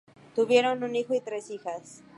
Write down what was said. Tuvieron un hijo y tres hijas.